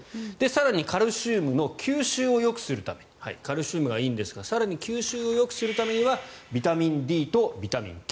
更にカルシウムの吸収をよくするためにカルシウムがいいんですが更に吸収をよくするためにはビタミンＤとビタミンＫ